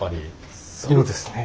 そうですね。